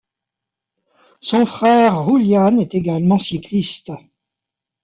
Son frère Julián est également cycliste.